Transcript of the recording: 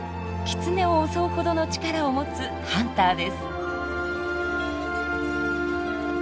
キツネを襲うほどの力を持つハンターです。